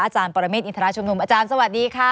อาจารย์ปรเมฆอินทรชมนุมอาจารย์สวัสดีค่ะ